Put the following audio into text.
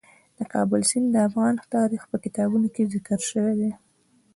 د کابل سیند د افغان تاریخ په کتابونو کې ذکر شوی دي.